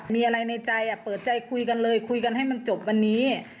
มีอะไรในใจเปิดใจคุยกันเลยคุยกันให้มันจบวันนี้